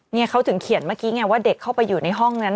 เขาถึงเขียนเมื่อกี้ไงว่าเด็กเข้าไปอยู่ในห้องนั้น